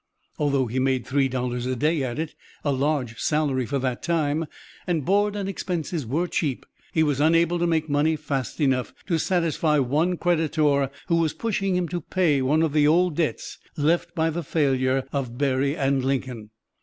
Although he made three dollars a day at it a large salary for that time and board and expenses were cheap, he was unable to make money fast enough to satisfy one creditor who was pushing him to pay one of the old debts left by the failure of Berry & Lincoln.